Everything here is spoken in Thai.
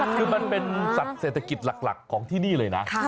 คือมันเป็นสัตว์เศรษฐกิจหลักของที่นี่เลยนะ